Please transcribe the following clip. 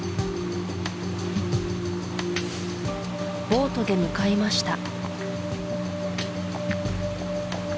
ボートで向かいました